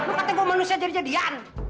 lu katanya gua manusia dari jadian